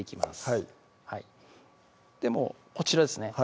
はいこちらですね